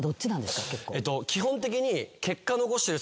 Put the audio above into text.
基本的に。